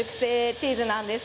チーズ職人です。